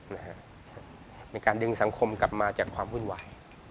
ในการดึงสังคมกลับมาจากความวุ่นวาย